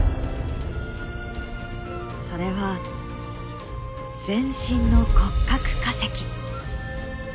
それは全身の骨格化石。